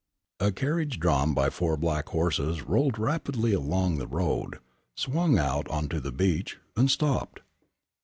A carriage drawn by four black horses rolled rapidly along the road, swung out on to the beach, and stopped.